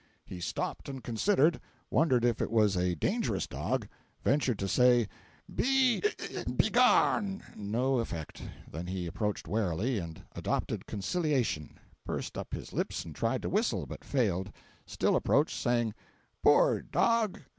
He stopped and considered; wondered if it was a dangerous dog; ventured to say "Be (hic) begone!" No effect. Then he approached warily, and adopted conciliation; pursed up his lips and tried to whistle, but failed; still approached, saying, "Poor dog!